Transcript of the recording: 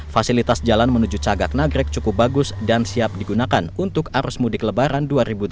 fasilitas jalan menuju cagak nagrek cukup bagus dan siap digunakan untuk arus mudik lebaran dua ribu tujuh belas